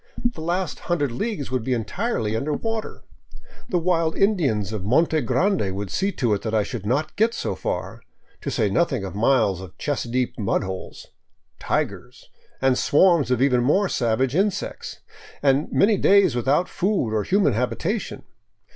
The last hundred leagues would be entirely under water; the wild Indians of the Monte Grande would see to it that I should not get so far, to say nothing of miles of chest deep mud holes, " tigers," and swarms of even more savage insects, and many days without food or human habitation.